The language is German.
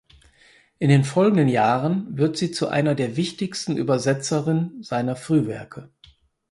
In den folgenden Jahren wird sie zu einer der wichtigsten Übersetzerin seiner Frühwerke.